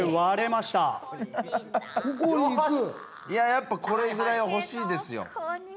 いややっぱこれぐらいは欲しいですよ。